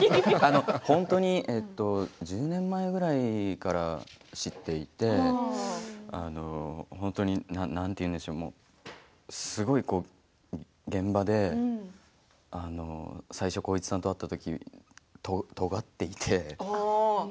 本当に１０年前ぐらいから知っていて本当に、なんていうんでしょうすごい現場で最初、浩市さんと会ったときとがっていて。